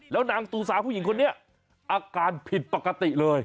แล้วนางตูซาผู้หญิงคนนี้อาการผิดปกติเลย